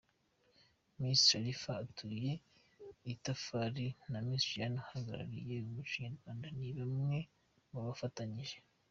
Miss Sharifa utuye itafari na Miss Jane uhagarariye umuco nyarwanda ni bamwe mubafatanyije.